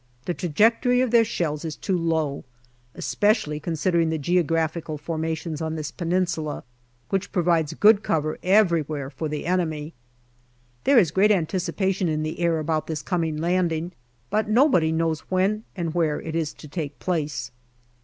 The trajectory of their shells is too low, especially con sidering the geographical formations on this Peninsula, which provides good cover everywhere for the enemy. There is great anticipation in the air about this coming landing, but nobody knows when and where it is to take place.